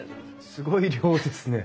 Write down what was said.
すごい量ですね。